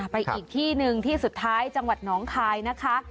ไปอีกที่หนึ่งที่สุดท้ายจังหวัดน้องคายนะคะ